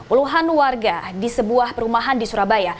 puluhan warga di sebuah perumahan di surabaya